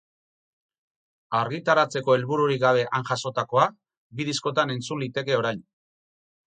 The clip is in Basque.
Argitaratzeko helbururik gabe han jasotakoa, bi diskotan entzun liteke orain.